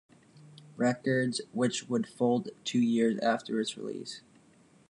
Records, which would fold two years after its release.